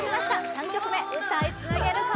３曲目歌いつなげるか？